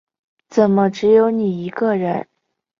怎么只有你一个人